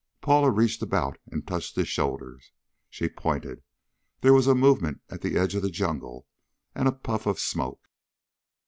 Paula reached about and touched his shoulder. She pointed. There was a movement at the edge of the jungle and a puff of smoke.